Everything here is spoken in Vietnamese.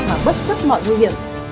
mà bất chấp mọi nguy hiểm